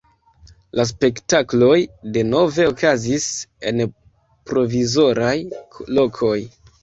La spektakloj denove okazis en provizoraj lokoj.